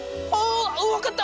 分かった。